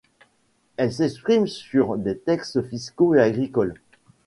Elle s'exprime sur des textes fiscaux et agricoles.